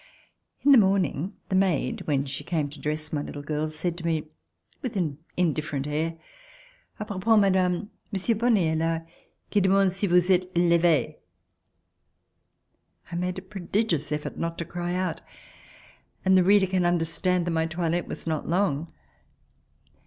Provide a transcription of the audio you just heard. In the morning the maid, when she came to dress my little girl, said to me, with an Indifferent air: "A propos, madame. Monsieur Bonle est la qui demande si vous etes levee." I made a prodigious effort not to cry out, and the reader can understand that my toilette was not long.